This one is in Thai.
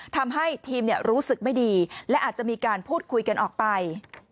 ทำให้ทีมรู้สึกไม่ดีและอาจจะมีการพูดคุยกันออกไป